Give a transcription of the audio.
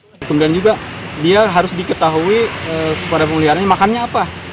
buaya muara ini juga harus diketahui pada pemiliharaannya makannya apa